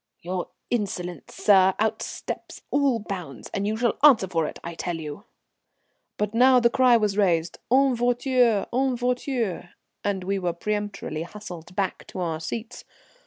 "Your insolence, sir, outsteps all bounds, and you shall answer for it, I tell you." But now the cry was raised "En voiture! en voiture!" and we were peremptorily hustled back to our seats.